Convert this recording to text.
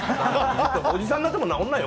おじさんになっても治らないよ